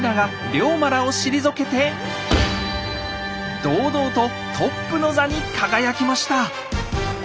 龍馬らを退けて堂々とトップの座に輝きました。